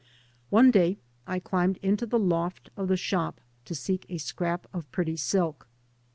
One day I climbed into die loft of the shop to seek a scrap of pretty stik.